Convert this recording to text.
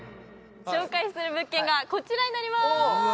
紹介する物件がこちらになります。